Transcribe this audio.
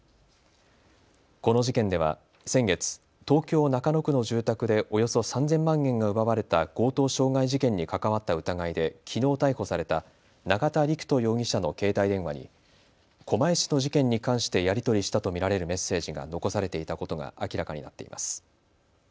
この事件では先月、東京中野区の住宅でおよそ３０００万円が奪われた強盗傷害事件に関わった疑いできのう逮捕された永田陸人容疑者の携帯電話に狛江市の事件に関してやり取りしたと見られるメッセージが残されていたことが明らかになっています。